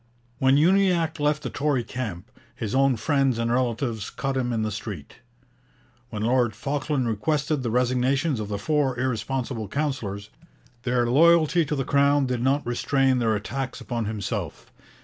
When Uniacke left the Tory camp, his own friends and relatives cut him in the street. When Lord Falkland requested the resignations of the four irresponsible councillors, their loyalty to the Crown did not restrain their attacks upon himself.